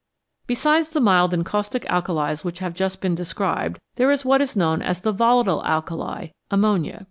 Besides the mild and caustic alkalis which have just been described, there is what is known as the " volatile alkali" ammonia.